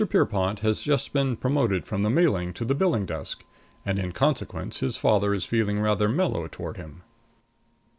Pierrepont || has just been promoted || from the mailing to the || billing desk and, in || consequence, his father || is feeling rather "mellow" || toward him.